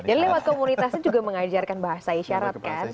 jadi lewat komunitasnya juga mengajarkan bahasa isyarat kan